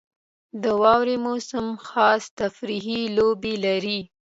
• د واورې موسم خاص تفریحي لوبې لري.